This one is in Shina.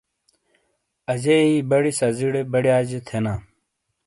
اجیئی بڑی سازیڑے بڑیئاجے تھینا۔